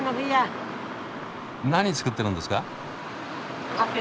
何作ってるんですか？